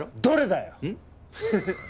どれだよ！